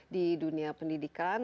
di dunia pendidikan